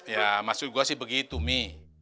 ya maksud gue sih begitu mi